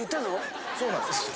そうなんですよ。